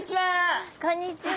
こんにちは！